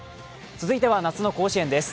続いては夏の甲子園です。